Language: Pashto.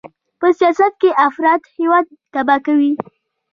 په سیاست کې افراط هېواد تباه کوي.